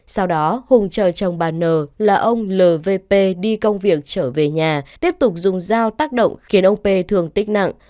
sau đó hùng chờ chồng bà n là ông lvp đi công việc trở về nhà tiếp tục dùng dao tác động khiến ông p thương tích nặng